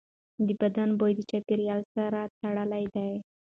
د بدن بوی د چاپېریال سره تړلی دی.